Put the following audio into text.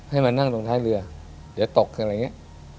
ให้มานั่งตรงท้ายเรือเดี๋ยวตกคืออะไรอย่างนี้